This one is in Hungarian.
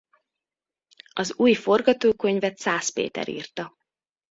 Az új forgatókönyvet Szász Péter írta.